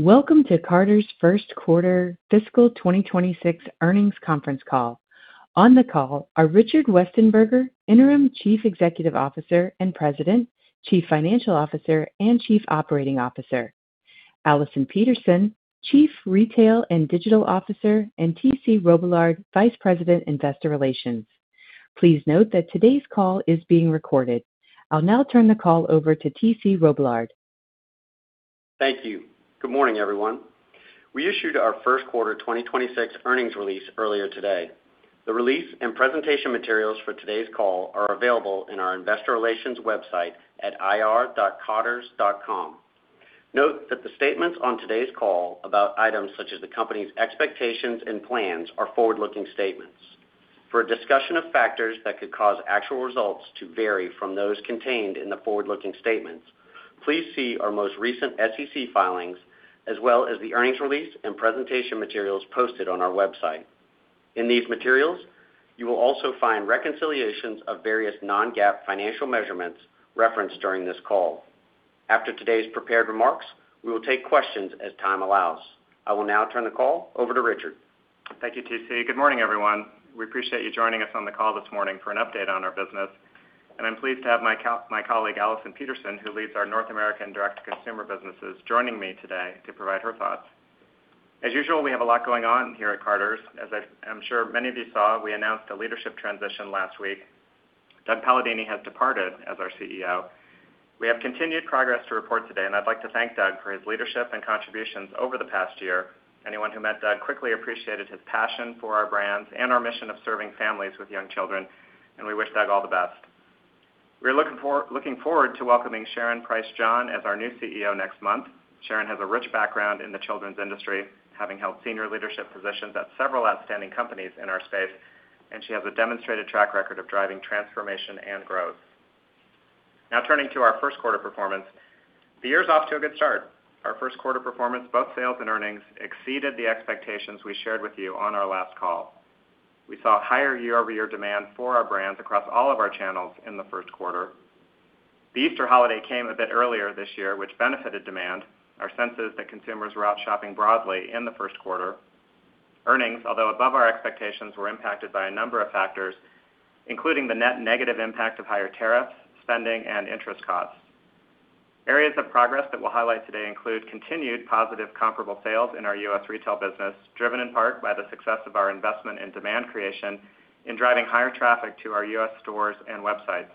Welcome to Carter's First Quarter Fiscal 2026 Earnings Conference Call. On the call are Richard Westenberger, Interim Chief Executive Officer and President, Chief Financial Officer, and Chief Operating Officer. Allison Peterson, Chief Retail & Digital Officer, and T.C. Robillard, Vice President, Investor Relations. Please note that today's call is being recorded. I'll now turn the call over to T.C. Robillard. Thank you. Good morning, everyone. We issued our first quarter 2026 earnings release earlier today. The release and presentation materials for today's call are available in our investor relations website at ir.carters.com. Note that the statements on today's call about items such as the company's expectations and plans are forward-looking statements. For a discussion of factors that could cause actual results to vary from those contained in the forward-looking statements, please see our most recent SEC filings as well as the earnings release and presentation materials posted on our website. In these materials, you will also find reconciliations of various non-GAAP financial measurements referenced during this call. After today's prepared remarks, we will take questions as time allows. I will now turn the call over to Richard. Thank you, T.C. Good morning, everyone. We appreciate you joining us on the call this morning for an update on our business. I'm pleased to have my colleague, Allison Peterson, who leads our North American direct consumer businesses, joining me today to provide her thoughts. As usual, we have a lot going on here at Carter's. As I'm sure many of you saw, we announced a leadership transition last week. Doug Palladini has departed as our CEO. We have continued progress to report today. I'd like to thank Doug for his leadership and contributions over the past year. Anyone who met Doug quickly appreciated his passion for our brands and our mission of serving families with young children. We wish Doug all the best. We're looking forward to welcoming Sharon Price John as our new CEO next month. Sharon has a rich background in the children's industry, having held senior leadership positions at several outstanding companies in our space, and she has a demonstrated track record of driving transformation and growth. Turning to our first quarter performance. The year's off to a good start. Our first quarter performance, both sales and earnings, exceeded the expectations we shared with you on our last call. We saw higher year-over-year demand for our brands across all of our channels in the first quarter. The Easter holiday came a bit earlier this year, which benefited demand. Our sense is that consumers were out shopping broadly in the first quarter. Earnings, although above our expectations, were impacted by a number of factors, including the net negative impact of higher tariffs, spending, and interest costs. Areas of progress that we'll highlight today include continued positive comparable sales in our US retail business, driven in part by the success of our investment in demand creation in driving higher traffic to our US stores and websites.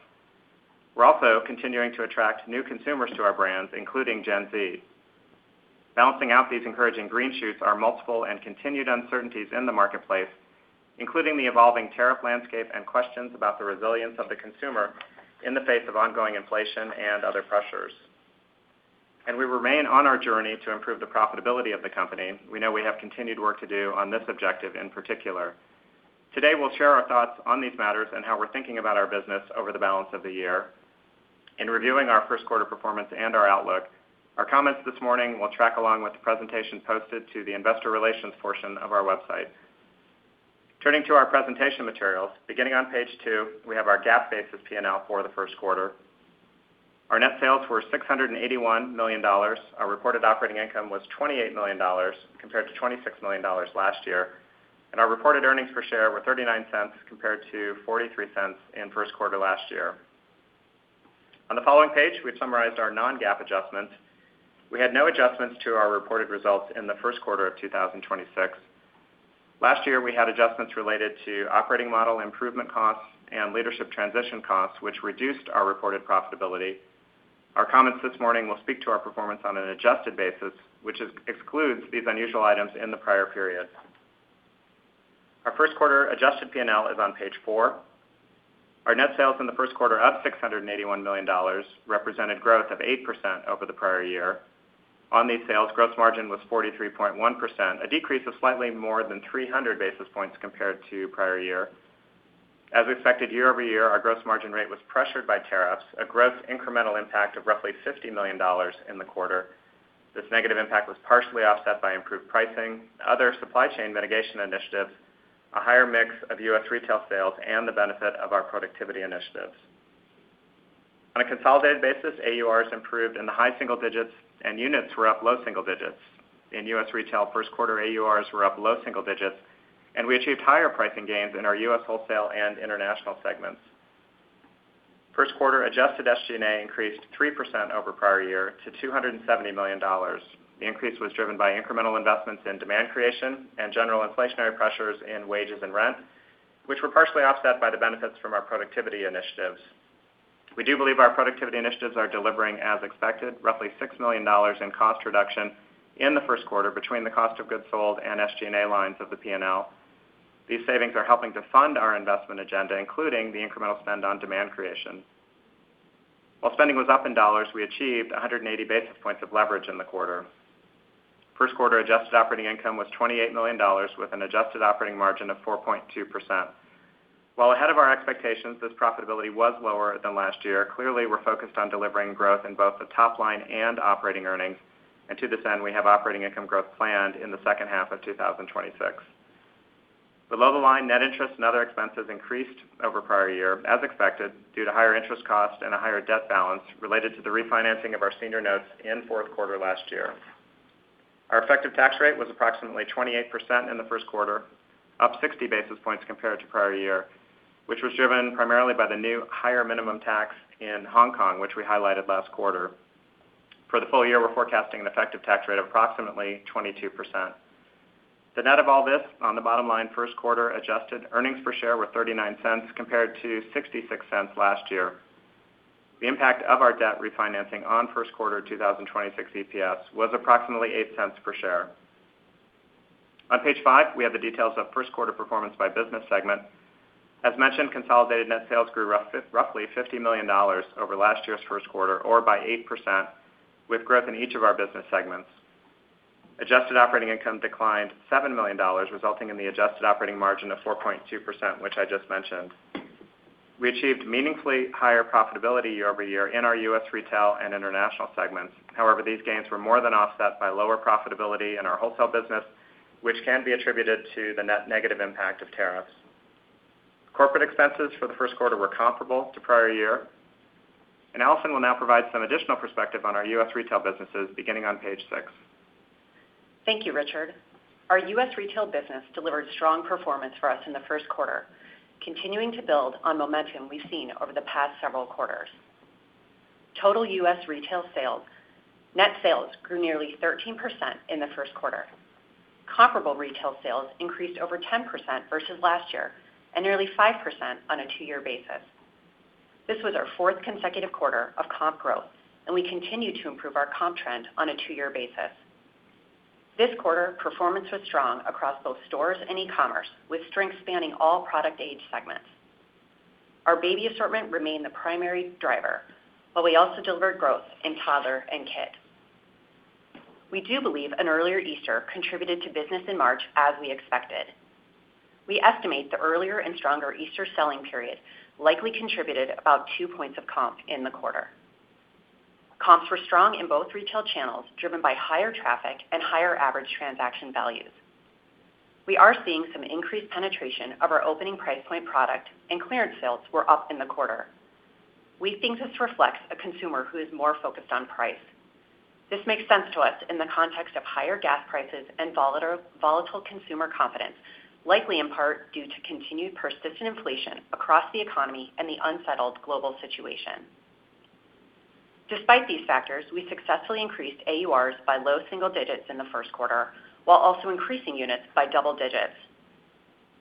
We're also continuing to attract new consumers to our brands, including Gen Z. Balancing out these encouraging green shoots are multiple and continued uncertainties in the marketplace, including the evolving tariff landscape and questions about the resilience of the consumer in the face of ongoing inflation and other pressures. We remain on our journey to improve the profitability of the company. We know we have continued work to do on this objective in particular. Today, we'll share our thoughts on these matters and how we're thinking about our business over the balance of the year. In reviewing our first quarter performance and our outlook, our comments this morning will track along with the presentation posted to the investor relations portion of our website. Turning to our presentation materials, beginning on page 2, we have our GAAP basis P&L for the first quarter. Our net sales were $681 million. Our reported operating income was $28 million compared to $26 million last year. Our reported earnings per share were $0.39 compared to $0.43 in first quarter last year. On the following page, we've summarized our non-GAAP adjustments. We had no adjustments to our reported results in the first quarter of 2026. Last year, we had adjustments related to operating model improvement costs and leadership transition costs, which reduced our reported profitability. Our comments this morning will speak to our performance on an adjusted basis, which excludes these unusual items in the prior period. Our first quarter adjusted P&L is on page 4. Our net sales in the first quarter, up $681 million, represented growth of 8% over the prior year. On these sales, gross margin was 43.1%, a decrease of slightly more than 300 basis points compared to prior year. As expected, year-over-year, our gross margin rate was pressured by tariffs, a gross incremental impact of roughly $50 million in the quarter. This negative impact was partially offset by improved pricing, other supply chain mitigation initiatives, a higher mix of US retail sales, and the benefit of our productivity initiatives. On a consolidated basis, AURs improved in the high single digits and units were up low single digits. In US retail, first quarter AURs were up low single digits, and we achieved higher pricing gains in our US wholesale and international segments. First quarter adjusted SG&A increased 3% over prior year to $270 million. The increase was driven by incremental investments in demand creation and general inflationary pressures in wages and rent, which were partially offset by the benefits from our productivity initiatives. We do believe our productivity initiatives are delivering as expected, roughly $6 million in cost reduction in the first quarter between the cost of goods sold and SG&A lines of the P&L. These savings are helping to fund our investment agenda, including the incremental spend on demand creation. While spending was up in dollars, we achieved 180 basis points of leverage in the quarter. First quarter adjusted operating income was $28 million with an adjusted operating margin of 4.2%. While ahead of our expectations, this profitability was lower than last year. Clearly, we're focused on delivering growth in both the top line and operating earnings. To this end, we have operating income growth planned in the second half of 2026. Below the line, net interest and other expenses increased over prior year as expected, due to higher interest costs and a higher debt balance related to the refinancing of our senior notes in fourth quarter last year. Our effective tax rate was approximately 28% in the first quarter, up 60 basis points compared to prior year, which was driven primarily by the new higher minimum tax in Hong Kong, which we highlighted last quarter. For the full year, we're forecasting an effective tax rate of approximately 22%. The net of all this on the bottom line, first quarter adjusted earnings per share were $0.39 compared to $0.66 last year. The impact of our debt refinancing on first quarter 2026 EPS was approximately $0.08 per share. On page five, we have the details of first quarter performance by business segment. As mentioned, consolidated net sales grew roughly $50 million over last year's first quarter or by 8% with growth in each of our business segments. Adjusted operating income declined $7 million, resulting in the adjusted operating margin of 4.2%, which I just mentioned. We achieved meaningfully higher profitability year-over-year in our US retail and international segments. However, these gains were more than offset by lower profitability in our wholesale business, which can be attributed to the net negative impact of tariffs. Corporate expenses for the first quarter were comparable to prior year. Allison Peterson will now provide some additional perspective on our US retail businesses beginning on page 6. Thank you, Richard. Our US retail business delivered strong performance for us in the first quarter, continuing to build on momentum we've seen over the past several quarters. Total US retail net sales grew nearly 13% in the first quarter. Comparable retail sales increased over 10% versus last year and nearly 5% on a two-year basis. This was our fourth consecutive quarter of comp growth, and we continue to improve our comp trend on a two-year basis. This quarter, performance was strong across both stores and e-commerce, with strength spanning all product age segments. Our baby assortment remained the primary driver, but we also delivered growth in toddler and kid. We do believe an earlier Easter contributed to business in March as we expected. We estimate the earlier and stronger Easter selling period likely contributed about 2 points of comp in the quarter. Comps were strong in both retail channels, driven by higher traffic and higher average transaction values. We are seeing some increased penetration of our opening price point product and clearance sales were up in the quarter. We think this reflects a consumer who is more focused on price. This makes sense to us in the context of higher gas prices and volatile consumer confidence, likely in part due to continued persistent inflation across the economy and the unsettled global situation. Despite these factors, we successfully increased AURs by low single digits in the first quarter, while also increasing units by double digits.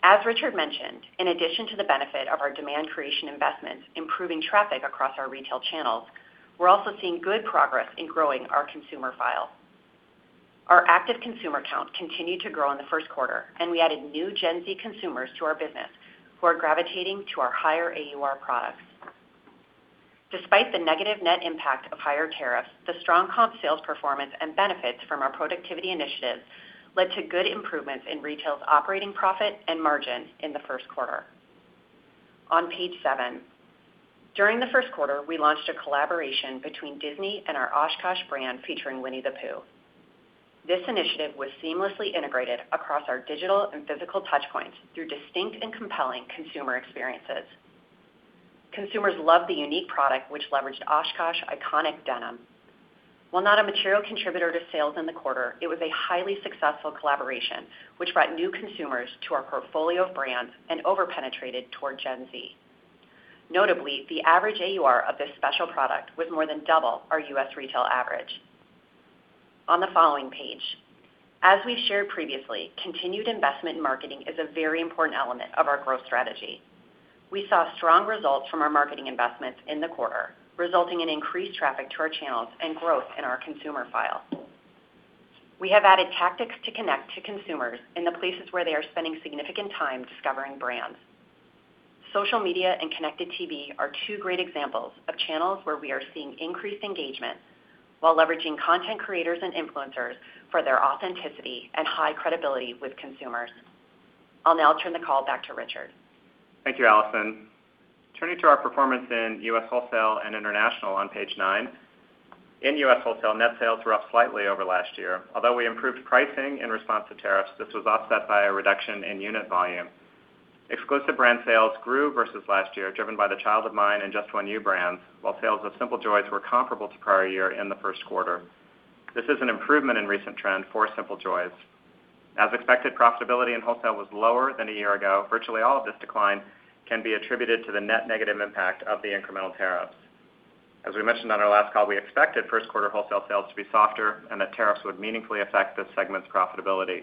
As Richard mentioned, in addition to the benefit of our demand creation investments improving traffic across our retail channels, we're also seeing good progress in growing our consumer file. Our active consumer count continued to grow in the first quarter, and we added new Gen Z consumers to our business who are gravitating to our higher AUR products. Despite the negative net impact of higher tariffs, the strong comp sales performance and benefits from our productivity initiatives led to good improvements in retail's operating profit and margin in the first quarter. On page 7, during the first quarter, we launched a collaboration between Disney and our OshKosh brand featuring Winnie the Pooh. This initiative was seamlessly integrated across our digital and physical touchpoints through distinct and compelling consumer experiences. Consumers loved the unique product which leveraged OshKosh iconic denim. While not a material contributor to sales in the quarter, it was a highly successful collaboration, which brought new consumers to our portfolio of brands and over-penetrated toward Gen Z. Notably, the average AUR of this special product was more than double our US retail average. On the following page, as we've shared previously, continued investment in marketing is a very important element of our growth strategy. We saw strong results from our marketing investments in the quarter, resulting in increased traffic to our channels and growth in our consumer file. We have added tactics to connect to consumers in the places where they are spending significant time discovering brands. Social media and connected TV are two great examples of channels where we are seeing increased engagement while leveraging content creators and influencers for their authenticity and high credibility with consumers. I'll now turn the call back to Richard. Thank you, Allison. Turning to our performance in US wholesale and international on page 9. In US wholesale, net sales were up slightly over last year. Although we improved pricing in response to tariffs, this was offset by a reduction in unit volume. Exclusive brand sales grew versus last year, driven by the Child of Mine and Just One You brands, while sales of Simple Joys were comparable to prior year in the first quarter. This is an improvement in recent trend for Simple Joys. As expected, profitability in wholesale was lower than a year ago. Virtually all of this decline can be attributed to the net negative impact of the incremental tariffs. As we mentioned on our last call, we expected first quarter wholesale sales to be softer and that tariffs would meaningfully affect this segment's profitability.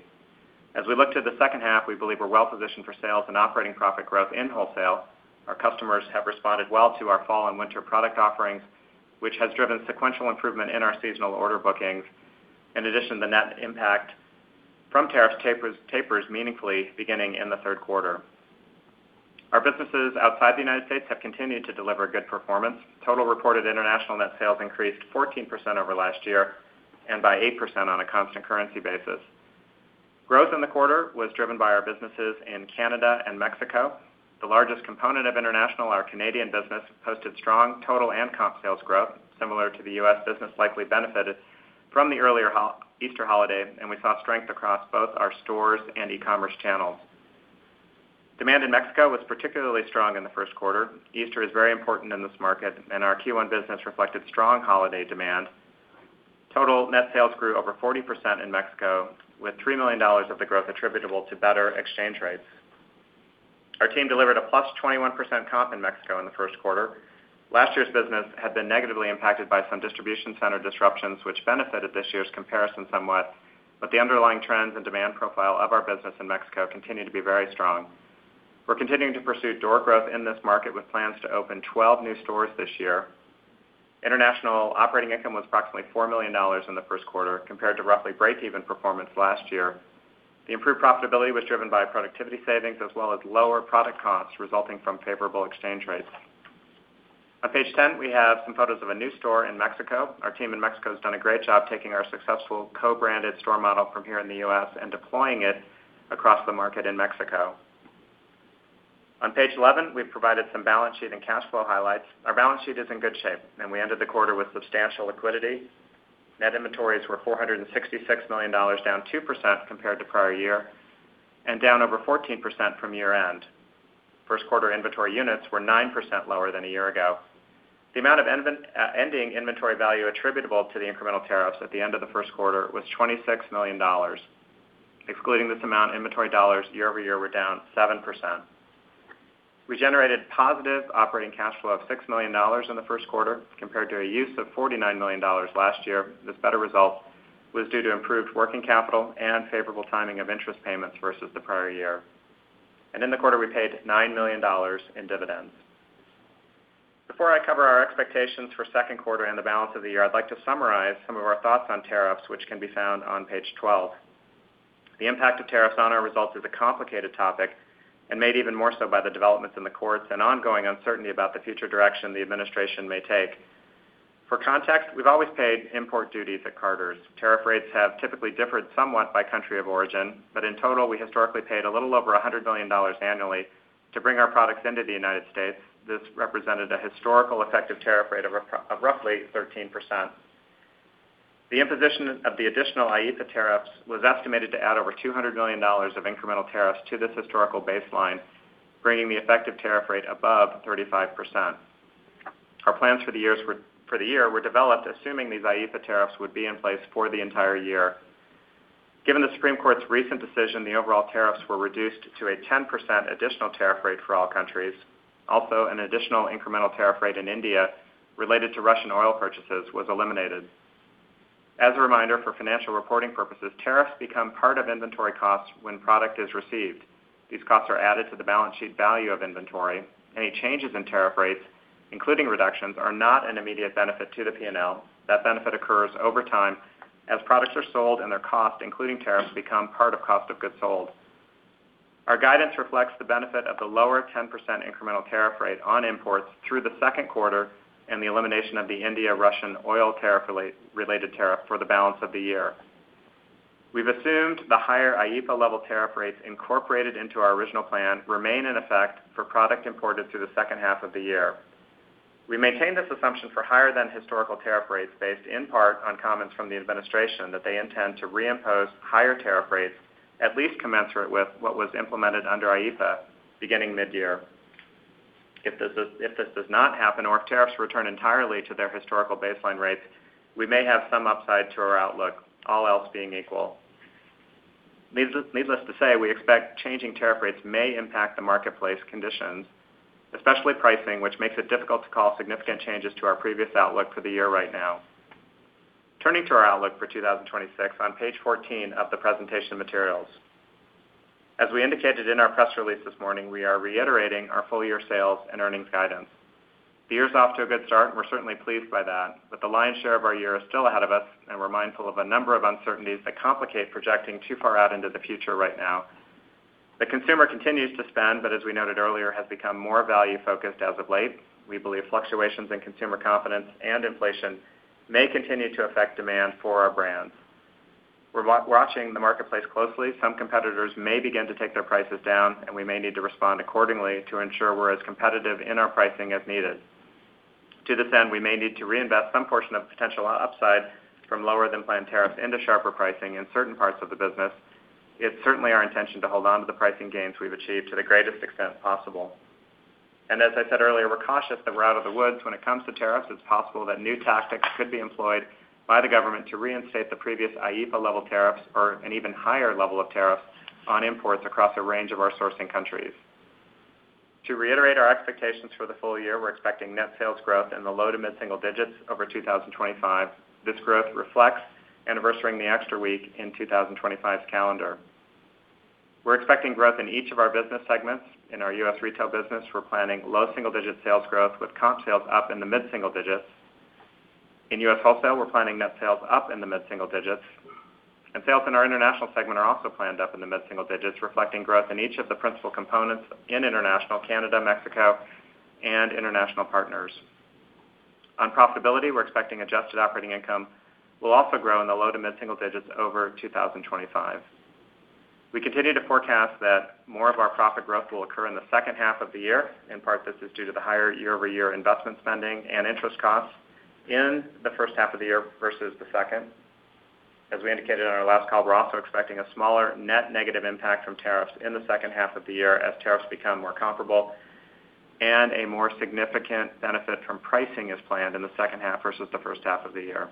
As we look to the second half, we believe we're well positioned for sales and operating profit growth in wholesale. Our customers have responded well to our fall and winter product offerings, which has driven sequential improvement in our seasonal order bookings. In addition, the net impact from tariffs tapers meaningfully beginning in the third quarter. Our businesses outside the U.S. have continued to deliver good performance. Total reported international net sales increased 14% over last year and by 8% on a constant currency basis. Growth in the quarter was driven by our businesses in Canada and Mexico. The largest component of international, our Canadian business, posted strong total and comp sales growth, similar to the U.S. business likely benefited from the earlier Easter holiday, and we saw strength across both our stores and e-commerce channels. Demand in Mexico was particularly strong in the first quarter. Easter is very important in this market. Our Q1 business reflected strong holiday demand. Total net sales grew over 40% in Mexico, with $3 million of the growth attributable to better exchange rates. Our team delivered a +21% comp in Mexico in the first quarter. Last year's business had been negatively impacted by some distribution center disruptions, which benefited this year's comparison somewhat, but the underlying trends and demand profile of our business in Mexico continue to be very strong. We're continuing to pursue door growth in this market with plans to open 12 new stores this year. International operating income was approximately $4 million in the first quarter compared to roughly breakeven performance last year. The improved profitability was driven by productivity savings as well as lower product costs resulting from favorable exchange rates. On page 10, we have some photos of a new store in Mexico. Our team in Mexico has done a great job taking our successful co-branded store model from here in the U.S. and deploying it across the market in Mexico. On page 11, we've provided some balance sheet and cash flow highlights. Our balance sheet is in good shape, and we ended the quarter with substantial liquidity. Net inventories were $466 million, down 2% compared to prior year, and down over 14% from year-end. First quarter inventory units were 9% lower than a year ago. The amount of ending inventory value attributable to the incremental tariffs at the end of the first quarter was $26 million. Excluding this amount, inventory dollars year-over-year were down 7%. We generated positive operating cash flow of $6 million in the first quarter compared to a use of $49 million last year. This better result was due to improved working capital and favorable timing of interest payments versus the prior year. In the quarter, we paid $9 million in dividends. Before I cover our expectations for second quarter and the balance of the year, I'd like to summarize some of our thoughts on tariffs, which can be found on page 12. The impact of tariffs on our results is a complicated topic, and made even more so by the developments in the courts and ongoing uncertainty about the future direction the administration may take. For context, we've always paid import duties at Carter's. Tariff rates have typically differed somewhat by country of origin, but in total, we historically paid a little over $100 million annually to bring our products into the United States. This represented a historical effective tariff rate of roughly 13%. The imposition of the additional IEEPA tariffs was estimated to add over $200 million of incremental tariffs to this historical baseline, bringing the effective tariff rate above 35%. Our plans for the year were developed assuming these IEEPA tariffs would be in place for the entire year. Given the Supreme Court's recent decision, the overall tariffs were reduced to a 10% additional tariff rate for all countries. An additional incremental tariff rate in India related to Russian oil purchases was eliminated. As a reminder, for financial reporting purposes, tariffs become part of inventory costs when product is received. These costs are added to the balance sheet value of inventory. Any changes in tariff rates, including reductions, are not an immediate benefit to the P&L. That benefit occurs over time as products are sold and their cost, including tariffs, become part of cost of goods sold. Our guidance reflects the benefit of the lower 10% incremental tariff rate on imports through the second quarter and the elimination of the India-Russian oil related tariff for the balance of the year. We've assumed the higher IEEPA level tariff rates incorporated into our original plan remain in effect for product imported through the second half of the year. We maintain this assumption for higher than historical tariff rates based in part on comments from the administration that they intend to reimpose higher tariff rates at least commensurate with what was implemented under IEEPA beginning mid-year. If this does not happen or if tariffs return entirely to their historical baseline rates, we may have some upside to our outlook, all else being equal. Needless to say, we expect changing tariff rates may impact the marketplace conditions, especially pricing, which makes it difficult to call significant changes to our previous outlook for the year right now. Turning to our outlook for 2026 on page 14 of the presentation materials. As we indicated in our press release this morning, we are reiterating our full-year sales and earnings guidance. The year's off to a good start, and we're certainly pleased by that. The lion's share of our year is still ahead of us, and we're mindful of a number of uncertainties that complicate projecting too far out into the future right now. The consumer continues to spend, but as we noted earlier, has become more value-focused as of late. We believe fluctuations in consumer confidence and inflation may continue to affect demand for our brands. We're watching the marketplace closely. Some competitors may begin to take their prices down, and we may need to respond accordingly to ensure we're as competitive in our pricing as needed. To this end, we may need to reinvest some portion of potential upside from lower-than-planned tariffs into sharper pricing in certain parts of the business. It's certainly our intention to hold on to the pricing gains we've achieved to the greatest extent possible. As I said earlier, we're cautious that we're out of the woods when it comes to tariffs. It's possible that new tactics could be employed by the government to reinstate the previous IEEPA level tariffs or an even higher level of tariffs on imports across a range of our sourcing countries. To reiterate our expectations for the full year, we're expecting net sales growth in the low to mid-single digits over 2025. This growth reflects anniversarying the extra week in 2025's calendar. We're expecting growth in each of our business segments. In our US retail business, we're planning low single-digit sales growth with comp sales up in the mid-single digits. In US wholesale, we're planning net sales up in the mid-single digits. Sales in our international segment are also planned up in the mid-single digits, reflecting growth in each of the principal components in international Canada, Mexico, and international partners. On profitability, we're expecting adjusted operating income will also grow in the low to mid-single digits over 2025. We continue to forecast that more of our profit growth will occur in the second half of the year. In part, this is due to the higher year-over-year investment spending and interest costs in the first half of the year versus the second. As we indicated on our last call, we're also expecting a smaller net negative impact from tariffs in the second half of the year as tariffs become more comparable and a more significant benefit from pricing is planned in the second half versus the first half of the year.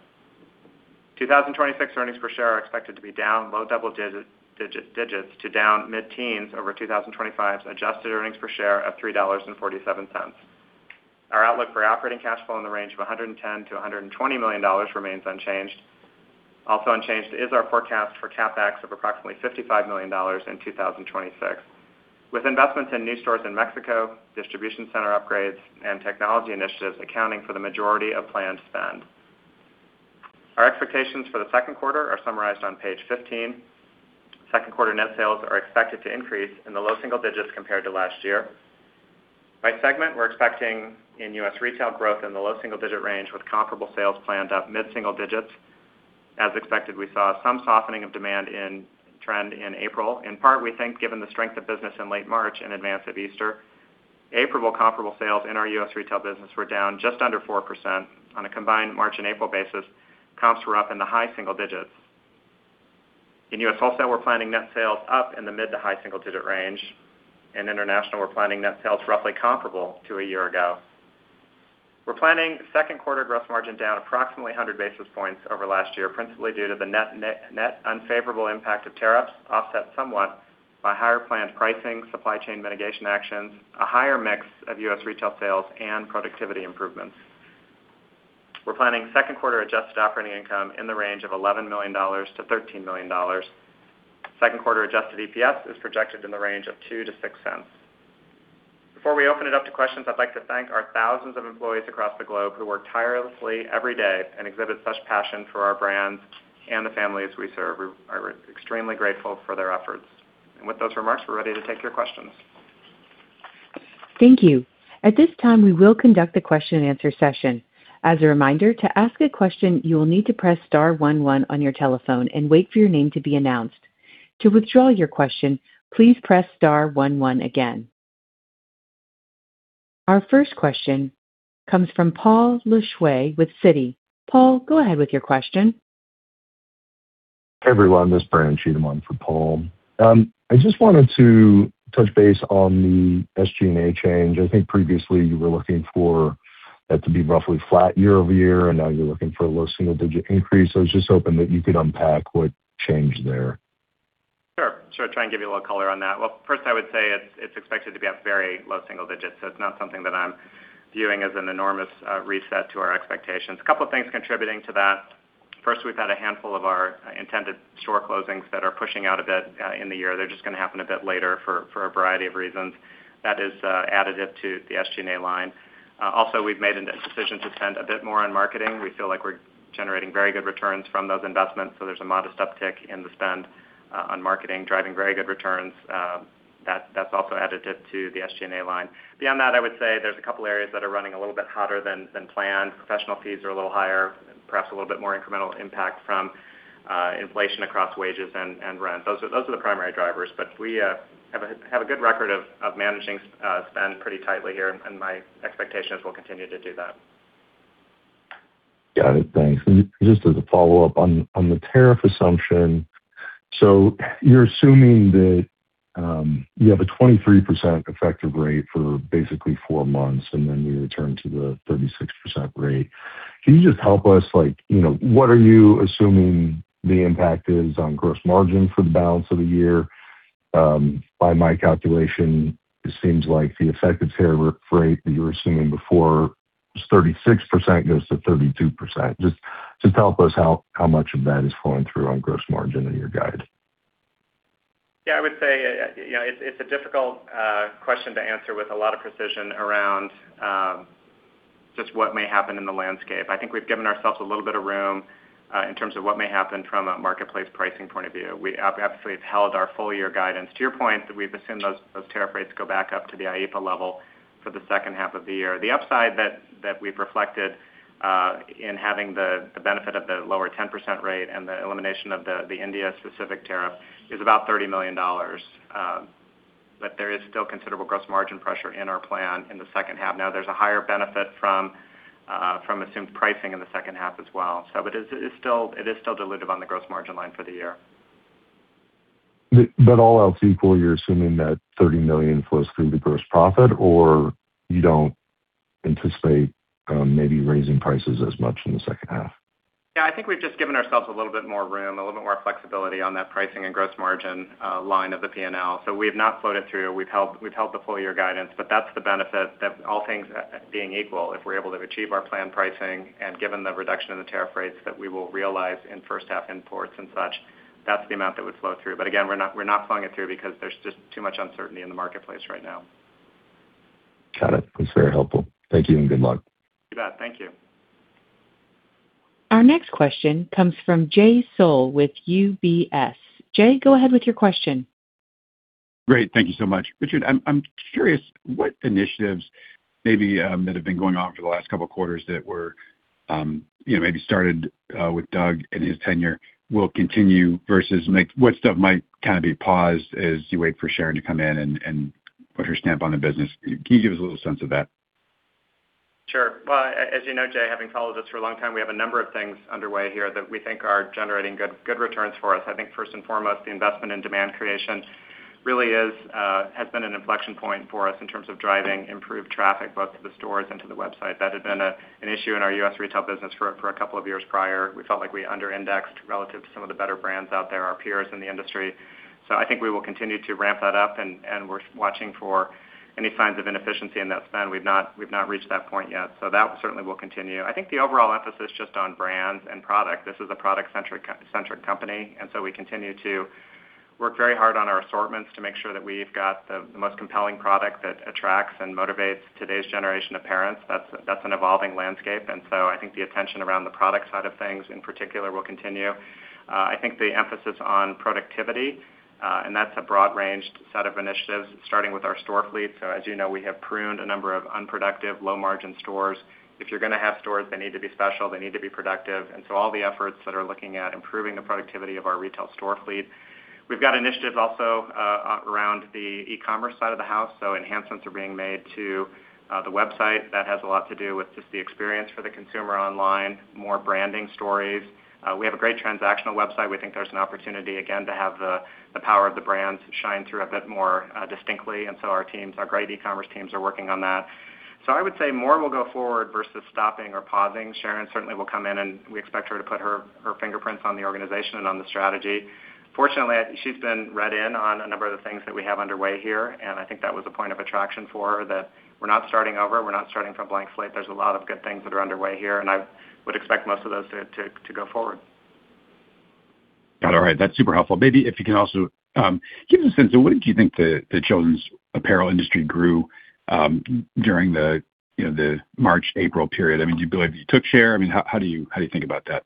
2026 EPS are expected to be down low double digits to down mid-teens over 2025's adjusted EPS of $3.47. Our outlook for operating cash flow in the range of $110 million-$120 million remains unchanged. Also unchanged is our forecast for CapEx of approximately $55 million in 2026, with investments in new stores in Mexico, distribution center upgrades, and technology initiatives accounting for the majority of planned spend. Our expectations for the second quarter are summarized on page 15. Second quarter net sales are expected to increase in the low single digits compared to last year. By segment, we're expecting in US retail growth in the low single-digit range, with comparable sales planned up mid-single digits. As expected, we saw some softening of demand in trend in April. In part, we think, given the strength of business in late March in advance of Easter, April comparable sales in our US retail business were down just under 4%. On a combined March and April basis, comps were up in the high single digits. In US wholesale, we're planning net sales up in the mid-to-high single-digit range. In international, we're planning net sales roughly comparable to a year ago. We're planning second quarter gross margin down approximately 100 basis points over last year, principally due to the net unfavorable impact of tariffs, offset somewhat by higher planned pricing, supply chain mitigation actions, a higher mix of US retail sales, and productivity improvements. We're planning second quarter adjusted operating income in the range of $11 million to $13 million. Second quarter adjusted EPS is projected in the range of $0.02-$0.06. Before we open it up to questions, I'd like to thank our thousands of employees across the globe who work tirelessly every day and exhibit such passion for our brands and the families we serve. We are extremely grateful for their efforts. With those remarks, we're ready to take your questions. Thank you. At this time, we will conduct the question and answer session. As a reminder, to ask a question, you will need to press star one one on your telephone and wait for your name to be announced. To withdraw your question, please press star one one again. Our first question comes from Paul Lejuez with Citi. Paul, go ahead with your question. Hey, everyone. This is Brandon Cheatham on for Paul. I just wanted to touch base on the SG&A change. I think previously you were looking for that to be roughly flat year-over-year. Now you're looking for a low single-digit increase. I was just hoping that you could unpack what changed there. Sure. I'll try and give you a little color on that. First, I would say it's expected to be at very low single digits, so it's not something that I'm viewing as an enormous reset to our expectations. A couple of things contributing to that. First, we've had a handful of our intended store closings that are pushing out a bit in the year. They're just gonna happen a bit later for a variety of reasons. That is additive to the SG&A line. Also, we've made a decision to spend a bit more on marketing. We feel like we're generating very good returns from those investments, so there's a modest uptick in the spend on marketing, driving very good returns. That's also additive to the SG&A line. Beyond that, I would say there's a couple areas that are running a little bit hotter than planned. Professional fees are a little higher, perhaps a little bit more incremental impact from inflation across wages and rent. Those are the primary drivers. We have a good record of managing spend pretty tightly here, and my expectation is we'll continue to do that. Got it. Thanks. Just as a follow-up on the tariff assumption. You're assuming that you have a 23% effective rate for basically four months, and then we return to the 36% rate. Can you just help us, you know, what are you assuming the impact is on gross margin for the balance of the year? By my calculation, it seems like the effective tariff rate that you were assuming before was 36% goes to 32%. Just help us how much of that is flowing through on gross margin in your guide? Yeah, I would say, you know, it's a difficult question to answer with a lot of precision around just what may happen in the landscape. I think we've given ourselves a little bit of room in terms of what may happen from a marketplace pricing point of view. We absolutely have held our full year guidance. To your point, we've assumed those tariff rates go back up to the IEEPA level for the second half of the year. The upside that we've reflected in having the benefit of the lower 10% rate and the elimination of the India specific tariff is about $30 million. There is still considerable gross margin pressure in our plan in the second half. There's a higher benefit from assumed pricing in the second half as well. It is still dilutive on the gross margin line for the year. All else equal, you're assuming that $30 million flows through the gross profit, or you don't anticipate, maybe raising prices as much in the second half? I think we've just given ourselves a little bit more room, a little bit more flexibility on that pricing and gross margin line of the P&L. We have not floated through. We've held the full year guidance, but that's the benefit that all things being equal, if we're able to achieve our planned pricing and given the reduction in the tariff rates that we will realize in first half imports and such, that's the amount that would flow through. Again, we're not flowing it through because there's just too much uncertainty in the marketplace right now. Got it. That's very helpful. Thank you and good luck. You bet. Thank you. Our next question comes from Jay Sole with UBS. Jay, go ahead with your question. Great. Thank you so much. Richard, I'm curious what initiatives maybe that have been going on for the last couple of quarters that were, you know, maybe started with Doug and his tenure will continue versus like what stuff might kind of be paused as you wait for Sharon to come in and put her stamp on the business. Can you give us a little sense of that? Sure. As you know, Jay, having followed us for a long time, we have a number of things underway here that we think are generating good returns for us. I think first and foremost, the investment in demand creation really is, has been an inflection point for us in terms of driving improved traffic both to the stores and to the website. That had been an issue in our US retail business for a couple of years prior. We felt like we under-indexed relative to some of the better brands out there, our peers in the industry. I think we will continue to ramp that up and we're watching for any signs of inefficiency in that spend. We've not reached that point yet, that certainly will continue. I think the overall emphasis just on brands and product, this is a product-centric centric company, and so we continue to work very hard on our assortments to make sure that we've got the most compelling product that attracts and motivates today's generation of parents. That's an evolving landscape. I think the attention around the product side of things in particular will continue. I think the emphasis on productivity, and that's a broad range set of initiatives, starting with our store fleet. As you know, we have pruned a number of unproductive low-margin stores. If you're gonna have stores, they need to be special, they need to be productive. All the efforts that are looking at improving the productivity of our retail store fleet. We've got initiatives also, around the e-commerce side of the house. Enhancements are being made to the website. That has a lot to do with just the experience for the consumer online, more branding stories. We have a great transactional website. We think there's an opportunity again to have the power of the brand shine through a bit more distinctly. Our teams, our great e-commerce teams are working on that. I would say more will go forward versus stopping or pausing. Sharon certainly will come in and we expect her to put her fingerprints on the organization and on the strategy. Fortunately, she's been read in on a number of the things that we have underway here, and I think that was a point of attraction for her, that we're not starting over, we're not starting from blank slate. There's a lot of good things that are underway here, and I would expect most of those to go forward. Got it. All right. That's super helpful. Maybe if you can also give us a sense of what do you think the children's apparel industry grew during the, you know, the March, April period? I mean, do you believe you took share? I mean, how do you think about that?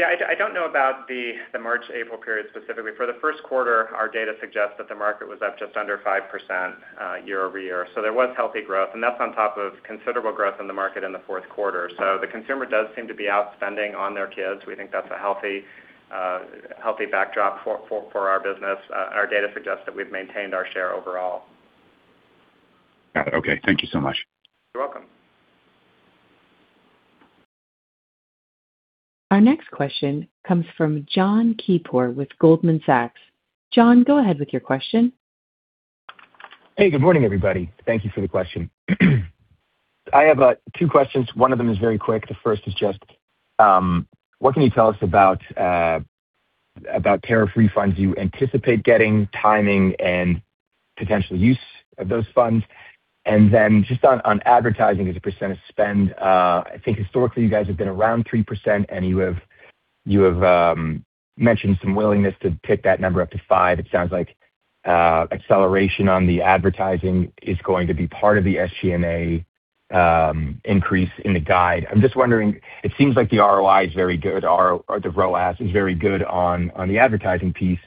Yeah, I don't know about the March, April period specifically. For the first quarter, our data suggests that the market was up just under 5% year-over-year. There was healthy growth, and that's on top of considerable growth in the market in the fourth quarter. The consumer does seem to be out spending on their kids. We think that's a healthy backdrop for our business. Our data suggests that we've maintained our share overall. Got it. Okay. Thank you so much. You're welcome. Our next question comes from Jon Keypour with Goldman Sachs. Jon, go ahead with your question. Hey, good morning, everybody. Thank you for the question. I have two questions. One of them is very quick. The first is just, what can you tell us about tariff refunds you anticipate getting, timing, and potential use of those funds? Then just on advertising as a percent of spend, I think historically you guys have been around 3%, and you have mentioned some willingness to pick that number up to five. It sounds like acceleration on the advertising is going to be part of the SG&A increase in the guide. I'm just wondering, it seems like the ROI is very good or the ROAS is very good on the advertising piece.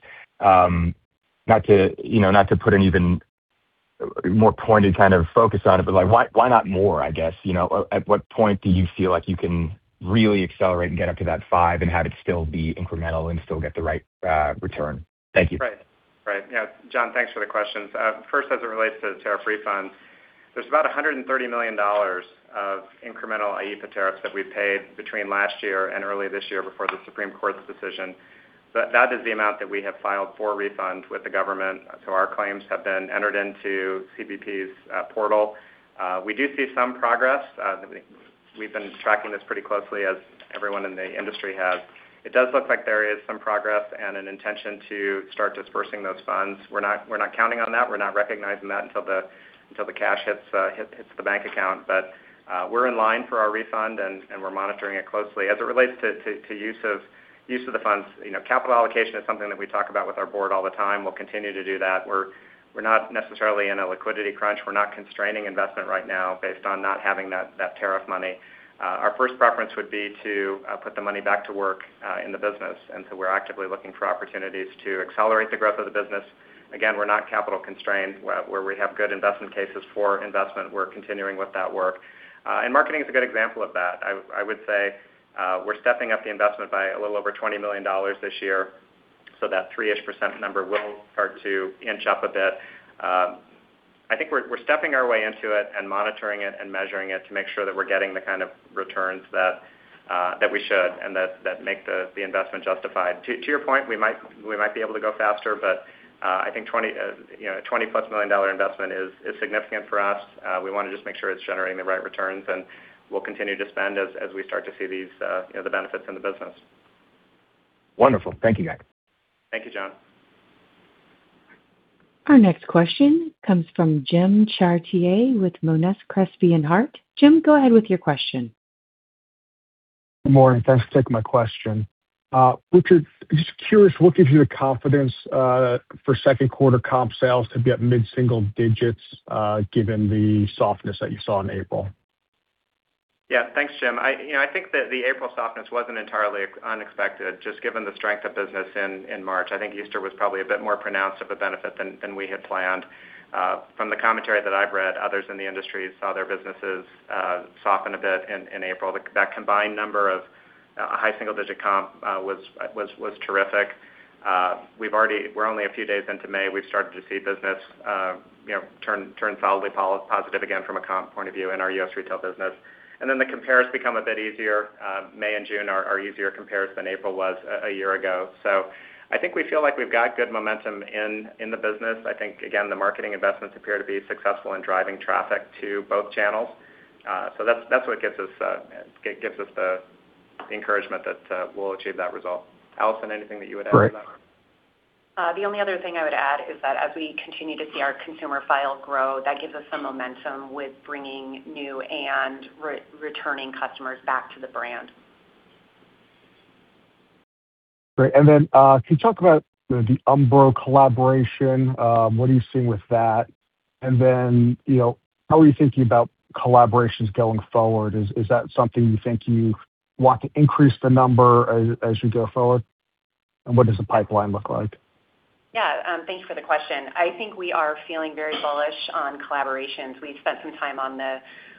Not to, you know, not to put an even more pointed kind of focus on it, but like why not more, I guess? You know, at what point do you feel like you can really accelerate and get up to that 5 and have it still be incremental and still get the right, return? Thank you. Right. Yeah. Jon, thanks for the questions. First, as it relates to tariff refunds, there's about $130 million of incremental IEEPA tariffs that we paid between last year and early this year before the Supreme Court's decision. That is the amount that we have filed for refunds with the government. Our claims have been entered into CBP's portal. We do see some progress. We've been tracking this pretty closely as everyone in the industry has. It does look like there is some progress and an intention to start dispersing those funds. We're not counting on that. We're not recognizing that until the cash hits the bank account. We're in line for our refund and we're monitoring it closely. As it relates to use of the funds, you know, capital allocation is something that we talk about with our board all the time. We'll continue to do that. We're not necessarily in a liquidity crunch. We're not constraining investment right now based on not having that tariff money. Our first preference would be to put the money back to work in the business. We're actively looking for opportunities to accelerate the growth of the business. Again, we're not capital constrained. Where we have good investment cases for investment, we're continuing with that work. Marketing is a good example of that. I would say, we're stepping up the investment by a little over $20 million this year, so that three-ish percent number will start to inch up a bit. I think we're stepping our way into it and monitoring it and measuring it to make sure that we're getting the kind of returns that we should and that make the investment justified. To your point, we might be able to go faster, but I think 20, you know, $20 plus million investment is significant for us. We wanna just make sure it's generating the right returns, and we'll continue to spend as we start to see these, you know, the benefits in the business. Wonderful. Thank you, guys. Thank you, Jon. Our next question comes from Jim Chartier with Monness, Crespi, Hardt & Co. Jim, go ahead with your question. Good morning. Thanks for taking my question. Richard, just curious, what gives you the confidence for second quarter comp sales to be at mid-single digits, given the softness that you saw in April? Yeah. Thanks, Jim. You know, I think that the April softness wasn't entirely unexpected, just given the strength of business in March. I think Easter was probably a bit more pronounced of a benefit than we had planned. From the commentary that I've read, others in the industry saw their businesses soften a bit in April. That combined number of high single-digit comp was terrific. We're only a few days into May. We've started to see business, you know, turn solidly positive again from a comp point of view in our US retail business. The compares become a bit easier. May and June are easier compares than April was a year ago. I think we feel like we've got good momentum in the business. I think, again, the marketing investments appear to be successful in driving traffic to both channels. That's what gives us the encouragement that we'll achieve that result. Allison, anything that you would add to that? Great. The only other thing I would add is that as we continue to see our consumer file grow, that gives us some momentum with bringing new and re-returning customers back to the brand. Great. Can you talk about the Umbro collaboration? What are you seeing with that? You know, how are you thinking about collaborations going forward? Is that something you think you want to increase the number as you go forward? What does the pipeline look like? Yeah. Thanks for the question. I think we are feeling very bullish on collaborations. We've spent some time on the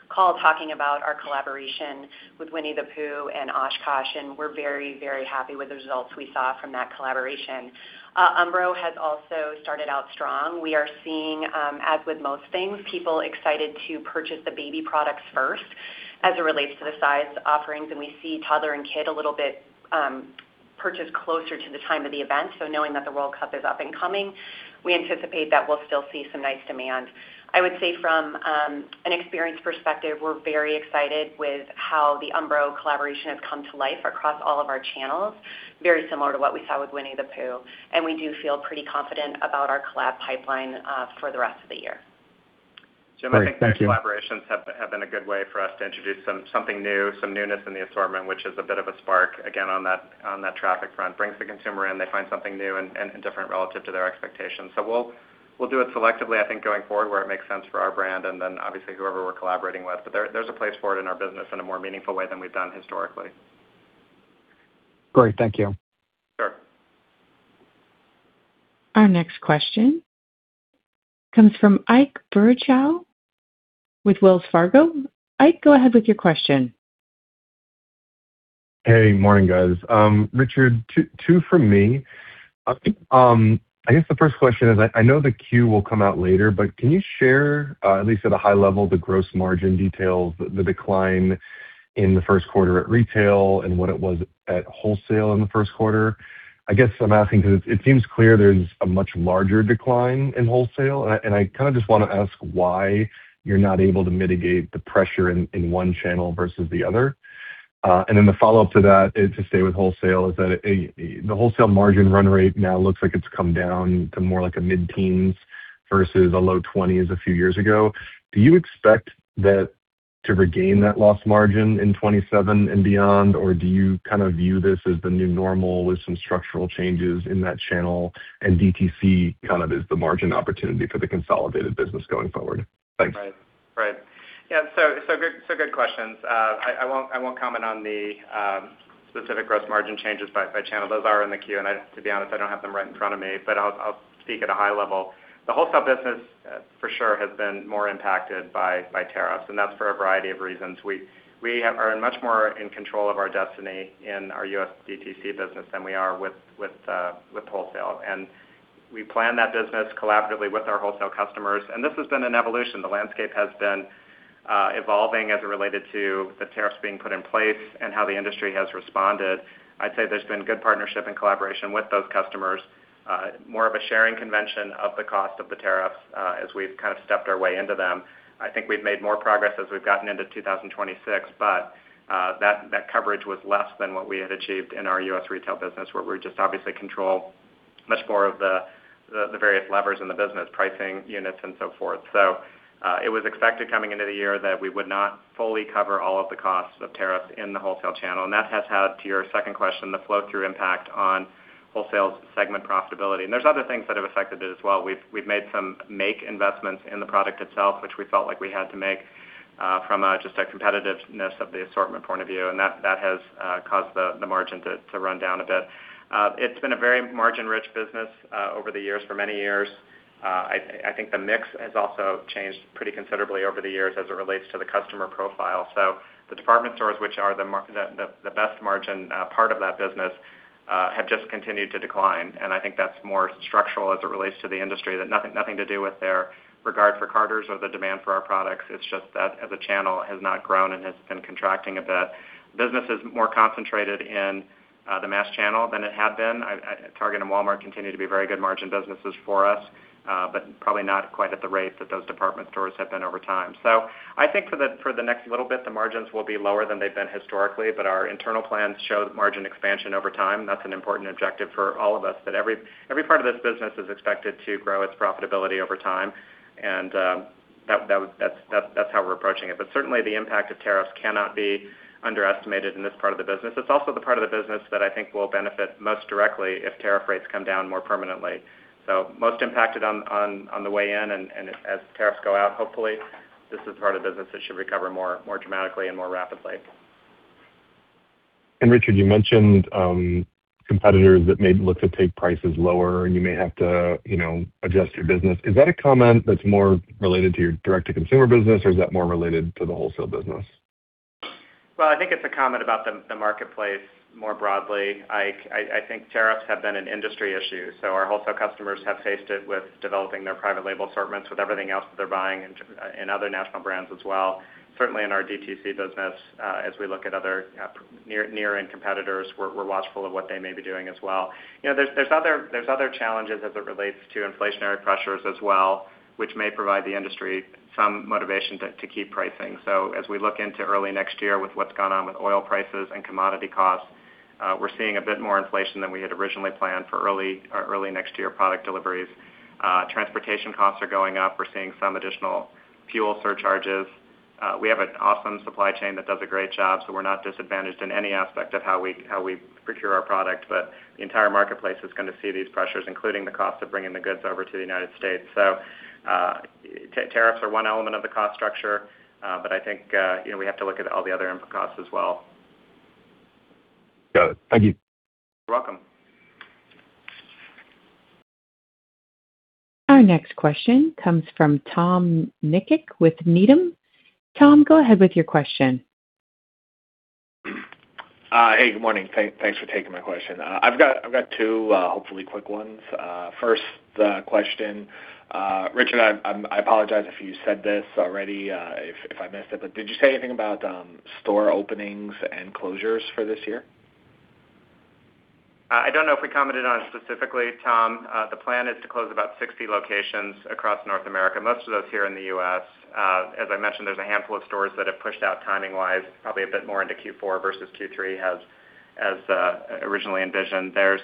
call talking about our collaboration with Winnie-the-Pooh and OshKosh, and we're very, very happy with the results we saw from that collaboration. Umbro has also started out strong. We are seeing, as with most things, people excited to purchase the baby products first as it relates to the size offerings, and we see toddler and kid a little bit purchased closer to the time of the event. Knowing that the World Cup is up and coming, we anticipate that we'll still see some nice demand. I would say from an experience perspective, we're very excited with how the Umbro collaboration has come to life across all of our channels, very similar to what we saw with Winnie-the-Pooh. We do feel pretty confident about our collab pipeline for the rest of the year. Great. Thank you. Jim, I think the collaborations have been a good way for us to introduce something new, some newness in the assortment, which is a bit of a spark, again, on that traffic front. Brings the consumer in, they find something new and different relative to their expectations. We'll do it selectively, I think, going forward, where it makes sense for our brand and then obviously whoever we're collaborating with. There's a place for it in our business in a more meaningful way than we've done historically. Great. Thank you. Sure. Our next question comes from Ike Boruchow with Wells Fargo. Ike, go ahead with your question. Hey. Morning, guys. Richard, two from me. I guess the first question is, I know the Q will come out later, but can you share, at least at a high level, the gross margin details, the decline in the first quarter at retail and what it was at wholesale in the first quarter? I guess I'm asking because it seems clear there's a much larger decline in wholesale, and I kind just wanna ask why you're not able to mitigate the pressure in one channel versus the other. Then the follow-up to that is to stay with wholesale, the wholesale margin run rate now looks like it's come down to more like a mid-teens versus a low twenties a few years ago. Do you expect that to regain that lost margin in 2027 and beyond, or do you kind of view this as the new normal with some structural changes in that channel and DTC kind of is the margin opportunity for the consolidated business going forward? Thanks. Right. Yeah. Good questions. I won't comment on the specific gross margin changes by channel. Those are in the Q. To be honest, I don't have them right in front of me, but I'll speak at a high level. The wholesale business, for sure, has been more impacted by tariffs, and that's for a variety of reasons. We are much more in control of our destiny in our US DTC business than we are with wholesale. We plan that business collaboratively with our wholesale customers, and this has been an evolution. The landscape has been evolving as it related to the tariffs being put in place and how the industry has responded. I'd say there's been good partnership and collaboration with those customers, more of a sharing convention of the cost of the tariffs, as we've kind of stepped our way into them. I think we've made more progress as we've gotten into 2026, that coverage was less than what we had achieved in our US retail business, where we just obviously control much more of the various levers in the business, pricing units and so forth. It was expected coming into the year that we would not fully cover all of the costs of tariffs in the wholesale channel, and that has had, to your second question, the flow-through impact on wholesale segment profitability. There's other things that have affected it as well. We've made some investments in the product itself, which we felt like we had to make, from a competitiveness of the assortment point of view, and that has caused the margin to run down a bit. It's been a very margin-rich business over the years for many years. I think the mix has also changed pretty considerably over the years as it relates to the customer profile. The department stores, which are the best margin part of that business, have just continued to decline. I think that's more structural as it relates to the industry, that nothing to do with their regard for Carter's or the demand for our products. It's just that as a channel, it has not grown and has been contracting a bit. Business is more concentrated in the mass channel than it had been. Target and Walmart continue to be very good margin businesses for us, but probably not quite at the rate that those department stores have been over time. I think for the next little bit, the margins will be lower than they've been historically, but our internal plans show margin expansion over time. That's an important objective for all of us, that every part of this business is expected to grow its profitability over time. That's how we're approaching it. Certainly, the impact of tariffs cannot be underestimated in this part of the business. It's also the part of the business that I think will benefit most directly if tariff rates come down more permanently. Most impacted on the way in and as tariffs go out, hopefully, this is part of business that should recover more dramatically and more rapidly. Richard, you mentioned competitors that may look to take prices lower and you may have to, you know, adjust your business. Is that a comment that's more related to your direct-to-consumer business, or is that more related to the wholesale business? Well, I think it's a comment about the marketplace more broadly. I think tariffs have been an industry issue, our wholesale customers have faced it with developing their private label assortments with everything else that they're buying and other national brands as well. Certainly in our DTC business, as we look at other near-end competitors, we're watchful of what they may be doing as well. You know, there's other challenges as it relates to inflationary pressures as well, which may provide the industry some motivation to keep pricing. As we look into early next year with what's gone on with oil prices and commodity costs, we're seeing a bit more inflation than we had originally planned for early next year product deliveries. Transportation costs are going up. We're seeing some additional fuel surcharges. We have an awesome supply chain that does a great job, so we're not disadvantaged in any aspect of how we, how we procure our product. The entire marketplace is gonna see these pressures, including the cost of bringing the goods over to the United States. Tariffs are one element of the cost structure, but I think, you know, we have to look at all the other input costs as well. Got it. Thank you. You're welcome. Our next question comes from Tom Nikic with Needham. Tom, go ahead with your question. Hey, good morning. Thanks for taking my question. I've got two, hopefully quick ones. First, the question, Richard, I apologize if you said this already, if I missed it, but did you say anything about store openings and closures for this year? I don't know if we commented on it specifically, Tom. The plan is to close about 60 locations across North America, most of those here in the U.S. As I mentioned, there's a handful of stores that have pushed out timing-wise, probably a bit more into Q4 versus Q3 as originally envisioned. There's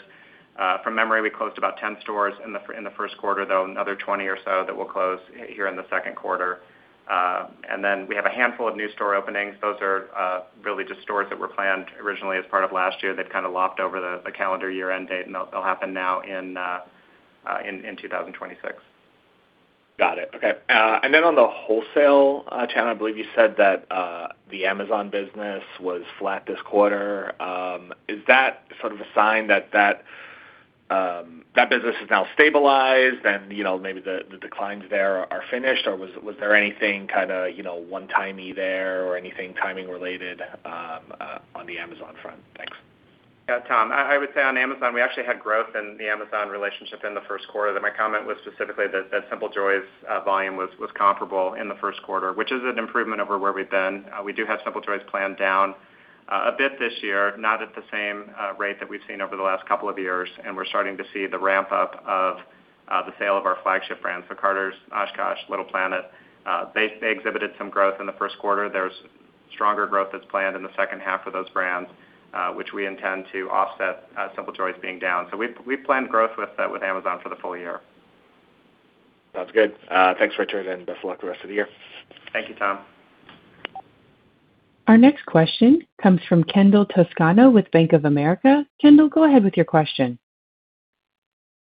from memory, we closed about 10 stores in the first quarter, though another 20 or so that will close here in the second quarter. We have a handful of new store openings. Those are really just stores that were planned originally as part of last year that kinda lopped over the calendar year-end date, and they'll happen now in 2026. Got it. Okay. On the wholesale channel, I believe you said that the Amazon business was flat this quarter. Is that sort of a sign that that business is now stabilized and, you know, maybe the declines there are finished, or was there anything kind of, you know, one-timey there or anything timing related on the Amazon front? Thanks. Yeah, Tom. I would say on Amazon, we actually had growth in the Amazon relationship in the first quarter. My comment was specifically that Simple Joys volume was comparable in the first quarter, which is an improvement over where we've been. We do have Simple Joys planned down a bit this year, not at the same rate that we've seen over the last couple of years, we're starting to see the ramp-up of the sale of our flagship brands. Carter's, OshKosh, Little Planet, they exhibited some growth in the first quarter. There's stronger growth that's planned in the second half of those brands, which we intend to offset Simple Joys being down. We planned growth with Amazon for the full year. Sounds good. Thanks, Richard, and best of luck the rest of the year. Thank you, Tom. Our next question comes from Kendall Toscano with Bank of America. Kendall, go ahead with your question.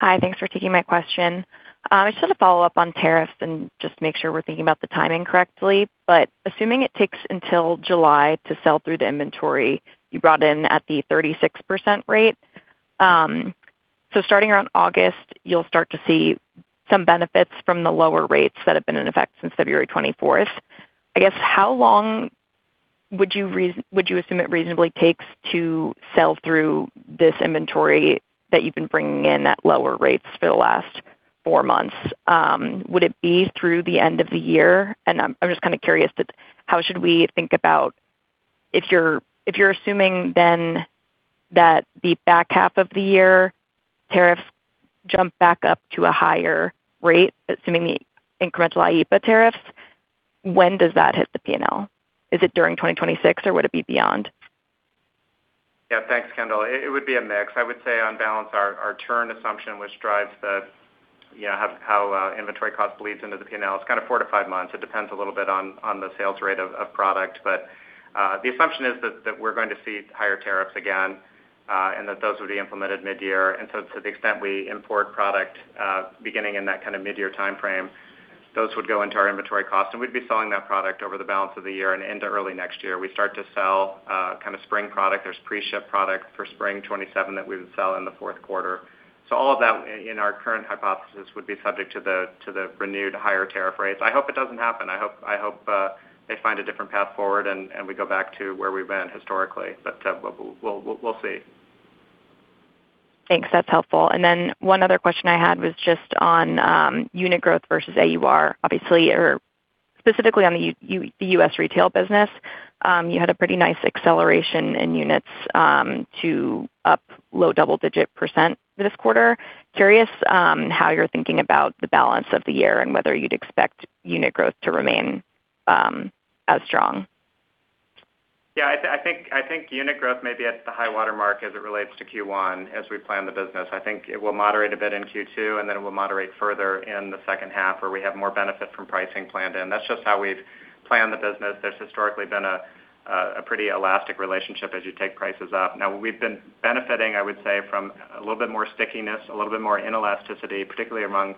Hi. Thanks for taking my question. Just as a follow-up on tariffs and just to make sure we're thinking about the timing correctly. Assuming it takes until July to sell through the inventory you brought in at the 36% rate, starting around August, you'll start to see some benefits from the lower rates that have been in effect since February 24th. I guess, how long would you assume it reasonably takes to sell through this inventory that you've been bringing in at lower rates for the last four months? Would it be through the end of the year? I'm just kind curious how should we think about if you're assuming then that the back half of the year tariffs jump back up to a higher rate, assuming the incremental IEEPA tariffs, when does that hit the P&L? Is it during 2026, or would it be beyond? Yeah. Thanks, Kendall. It would be a mix. I would say on balance, our turn assumption, which drives the, you know, how inventory cost bleeds into the P&L, it's kind four to five months. It depends a little bit on the sales rate of product. The assumption is that we're going to see higher tariffs again, and that those would be implemented mid-year. To the extent we import product, beginning in that kind mid-year timeframe, those would go into our inventory cost, and we'd be selling that product over the balance of the year and into early next year. We start to sell, kind spring product. There's pre-ship product for spring 2027 that we would sell in the fourth quarter. All of that in our current hypothesis would be subject to the renewed higher tariff rates. I hope it doesn't happen. I hope they find a different path forward and we go back to where we've been historically. We'll see. Thanks. That's helpful. One other question I had was just on unit growth versus AUR, obviously or specifically on the US retail business. You had a pretty nice acceleration in units to up low double-digit percent this quarter. Curious how you're thinking about the balance of the year and whether you'd expect unit growth to remain as strong. Yeah. I think unit growth may be at the high water mark as it relates to Q1 as we plan the business. I think it will moderate a bit in Q2, and then it will moderate further in the second half where we have more benefit from pricing planned in. That's just how we've planned the business. There's historically been a pretty elastic relationship as you take prices up. Now, we've been benefiting, I would say, from a little bit more stickiness, a little bit more inelasticity, particularly among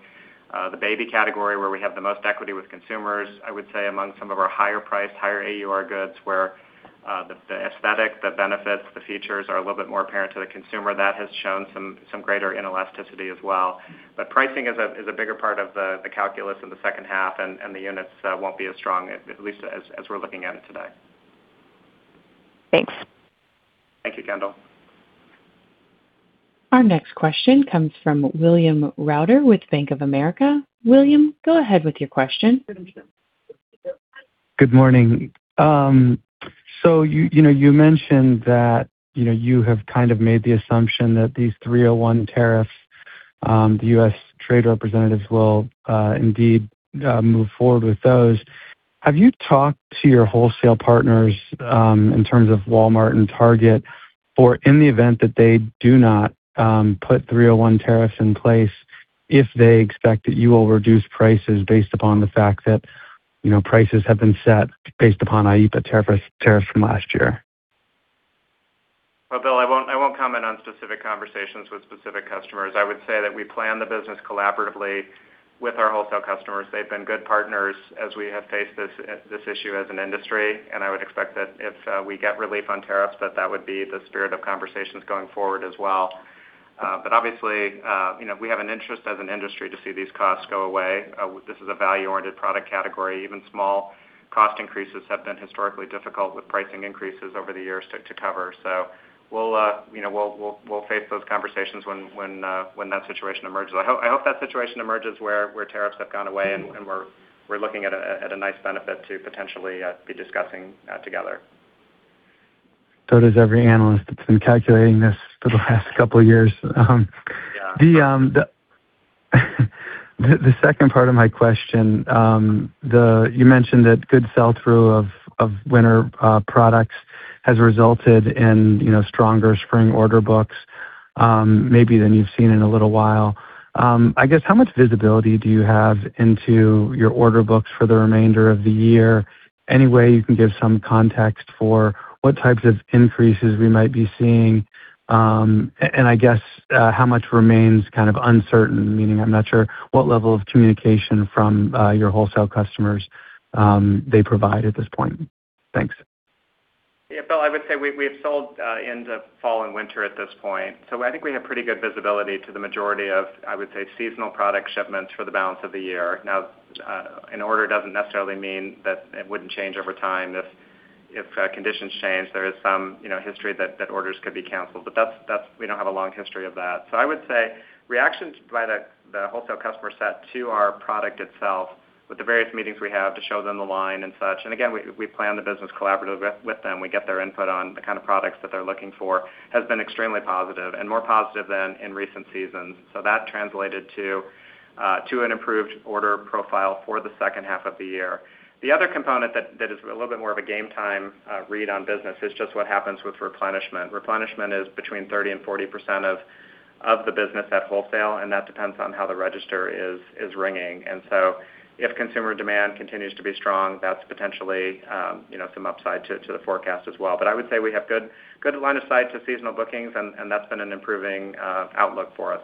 the baby category where we have the most equity with consumers. I would say among some of our higher priced, higher AUR goods where the aesthetic, the benefits, the features are a little bit more apparent to the consumer. That has shown some greater inelasticity as well. Pricing is a bigger part of the calculus in the second half and the units won't be as strong at least as we're looking at it today. Thanks. Thank you, Kendall. Our next question comes from William Reuter with Bank of America. William, go ahead with your question. Good morning. You, you know, you mentioned that, you know, you have kind of made the assumption that these 301 tariffs, the US Trade Representative will indeed move forward with those. Have you talked to your wholesale partners, in terms of Walmart and Target for in the event that they do not put 301 tariffs in place if they expect that you will reduce prices based upon the fact that, you know, prices have been set based upon IEEPA tariff from last year? Well, Bill, I won't comment on specific conversations with specific customers. I would say that we plan the business collaboratively with our wholesale customers. They've been good partners as we have faced this issue as an industry. I would expect that if we get relief on tariffs, that would be the spirit of conversations going forward as well. Obviously, you know, we have an interest as an industry to see these costs go away. This is a value-oriented product category. Even small cost increases have been historically difficult with pricing increases over the years to cover. We'll, you know, we'll face those conversations when that situation emerges. I hope that situation emerges where tariffs have gone away and we're looking at a nice benefit to potentially be discussing together. Does every analyst that's been calculating this for the last couple years. Yeah. The second part of my question. You mentioned that good sell-through of winter products has resulted in, you know, stronger spring order books, maybe than you've seen in a little while. I guess how much visibility do you have into your order books for the remainder of the year? Any way you can give some context for what types of increases we might be seeing? I guess how much remains kind of uncertain, meaning I'm not sure what level of communication from your wholesale customers they provide at this point. Thanks. Bill, I would say we've sold into fall and winter at this point, so I think we have pretty good visibility to the majority of, I would say, seasonal product shipments for the balance of the year. An order doesn't necessarily mean that it wouldn't change over time if conditions change. There is some, you know, history that orders could be canceled, but that's we don't have a long history of that. I would say reactions by the wholesale customer set to our product itself with the various meetings we have to show them the line and such, and again, we plan the business collaborative with them, we get their input on the kind of products that they're looking for, has been extremely positive and more positive than in recent seasons. That translated to an improved order profile for the second half of the year. The other component that is a little bit more of a game time read on business is just what happens with replenishment. Replenishment is between 30% and 40% of the business at wholesale, and that depends on how the register is ringing. If consumer demand continues to be strong, that's potentially, you know, some upside to the forecast as well. I would say we have good line of sight to seasonal bookings and that's been an improving outlook for us.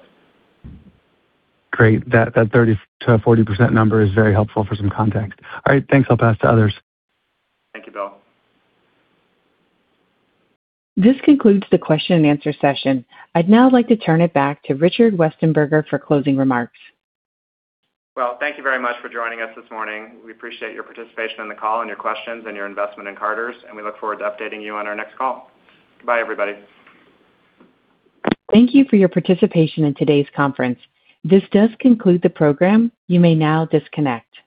Great. That 30%-40% number is very helpful for some context. All right, thanks. I'll pass to others. Thank you, Bill. This concludes the question and answer session. I'd now like to turn it back to Richard Westenberger for closing remarks. Well, thank you very much for joining us this morning. We appreciate your participation in the call and your questions and your investment in Carter's, and we look forward to updating you on our next call. Goodbye, everybody. Thank you for your participation in today's conference. This does conclude the program. You may now disconnect.